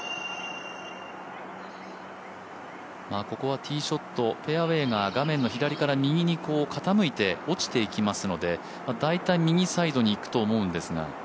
ここはティーショット、フェアウェーが画面の左から傾いて落ちていきますので大体右サイドにいくと思うんですが。